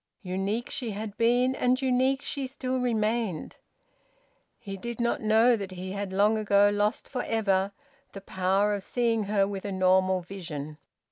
Unique she had been, and unique she still remained. He did not know that he had long ago lost for ever the power of seeing her with a normal vision.